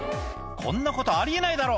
こんなこと、ありえないだろ。